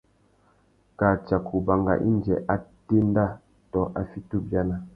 Kā tsaka ubanga indi a téndá tô a fiti ubiana.